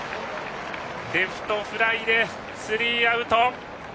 レフトフライでスリーアウト。